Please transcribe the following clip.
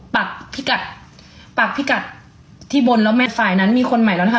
พี่กัดปากพี่กัดที่บนแล้วเม็ดฝ่ายนั้นมีคนใหม่แล้วนะคะ